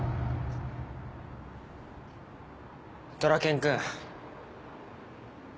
ドラケン君。